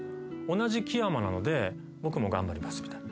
同じ木山なので僕も頑張りますみたいな。